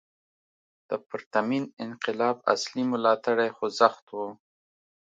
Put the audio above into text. د پرتمین انقلاب اصلي ملاتړی خوځښت و.